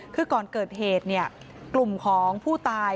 คือก่อนเกิดเหตุกลุ่มของผู้ตาย